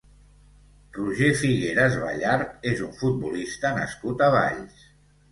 Roger Figueras Ballart és un futbolista nascut a Valls.